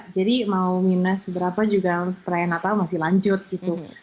jadi mau minus berapa juga perayaan natal masih lanjut gitu